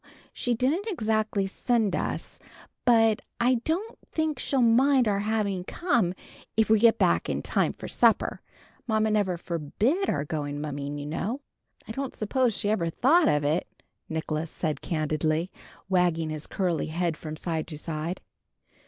She didn't exactly send us; but I don't think she'll mind our having come if we get back in time for supper. Mamma never forbid our going mumming, you know." "I don't suppose she ever thought of it," Nicholas said candidly, wagging his curly head from side to side.